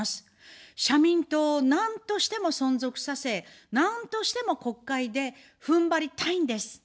社民党をなんとしても存続させ、なんとしても国会でふんばりたいんです。